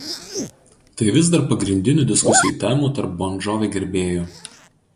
Tai vis dar viena pagrindinių diskusijų temų tarp Bon Jovi gerbėjų.